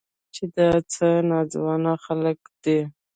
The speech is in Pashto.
چې دا څه ناځوانه خلق دي.